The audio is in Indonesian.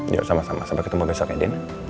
ya sama sama sampai ketemu besok ya din